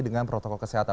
dengan protokol kesehatan